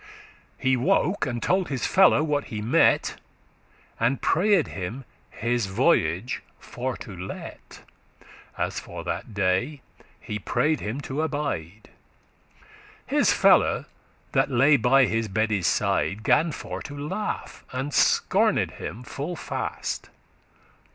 He woke, and told his follow what he mette, And prayed him his voyage for to let;* *delay As for that day, he pray'd him to abide. His fellow, that lay by his bedde's side, Gan for to laugh, and scorned him full fast.